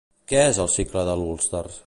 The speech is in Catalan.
Què és el cicle de l'Ulster?